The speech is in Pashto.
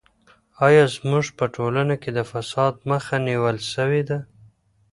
ایا زموږ په ټولنه کې د فساد مخه نیول سوې ده؟